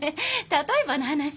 例えばの話。